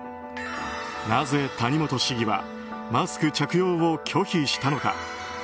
なぜ谷本市議はマスク着用を拒否したのか。